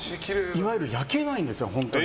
いわゆる焼けないんですよ。